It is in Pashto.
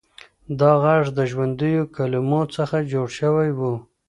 دا غږ د ژوندیو کلمو څخه جوړ شوی و.